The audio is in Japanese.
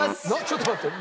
ちょっと待って。